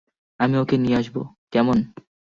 আমি ওকে নিয়ে আসবো, কেমন?